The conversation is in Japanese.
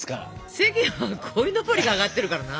世間はこいのぼりがあがってるからな。